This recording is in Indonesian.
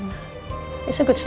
itu adalah mulut yang bagus